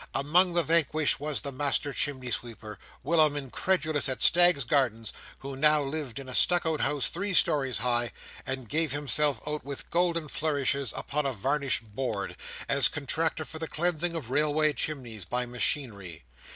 Among the vanquished was the master chimney sweeper, whilom incredulous at Staggs's Gardens, who now lived in a stuccoed house three stories high, and gave himself out, with golden flourishes upon a varnished board, as contractor for the cleansing of railway chimneys by machinery.